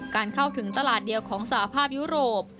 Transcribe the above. เข้าถึงตลาดเดียวของสหภาพยุโรป